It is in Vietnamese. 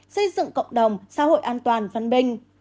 xây dựng cộng đồng xã hội an toàn văn minh